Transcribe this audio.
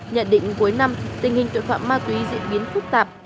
nhận định cuối năm tình hình tội phạm ma túy diễn biến phức tạp